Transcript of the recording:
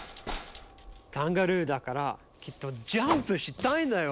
カンガルーだからきっとジャンプしたいんだよ！